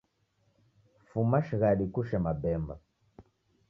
Fuma shighadi kushee mabemba.